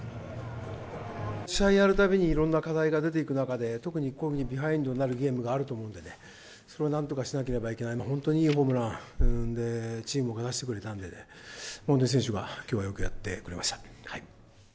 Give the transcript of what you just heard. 試合やるたびにいろんな課題が出ていく中で、特にビハインドになるゲームがあると思うんでね、それをなんとかしなければいけない、本当にいいホームランで、チームが出してくれたんで、本当に選手がきょうはよくやってくれました。